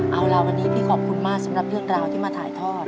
เอาล่ะวันนี้พี่ขอบคุณมากสำหรับเรื่องราวที่มาถ่ายทอด